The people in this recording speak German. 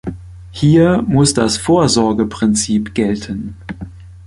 Hier muss das Vorsorgeprinzip gelten.